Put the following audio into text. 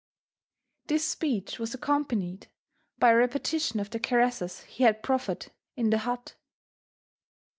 This speech was accompanied by a repetition of .the caresses he had, profiered in the hut.